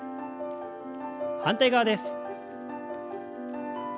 反対側です。